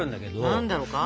何だろうか。